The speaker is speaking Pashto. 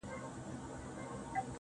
لږه توده سومه زه.